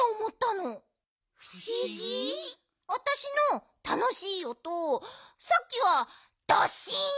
ふしぎ？あたしのたのしいおとさっきは「ドッシン！」